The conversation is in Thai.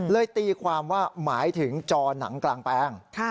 ตีความว่าหมายถึงจอหนังกลางแปลง